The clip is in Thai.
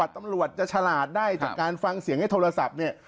ตำรวจจะฉลาดได้จากการฟังเสียงในโทรศัพท์เนี่ย